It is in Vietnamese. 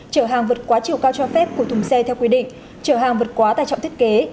chở hàng vượt quá chiều cao cho phép của thùng xe theo quy định chở hàng vượt quá tài trọng thiết kế